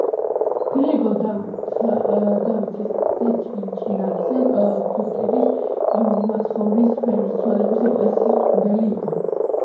გრიგოლ დავითის ძე ჭიჭინაძე ქვიტირის მაცხოვრის ფერისცვალების ეკლესიის მღვდელი იყო